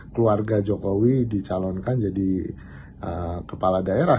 keluarga jokowi dicalonkan jadi kepala daerah